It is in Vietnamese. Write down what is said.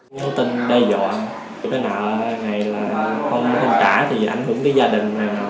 những tin đe dọa cái nợ này là không trả thì ảnh hưởng tới gia đình nè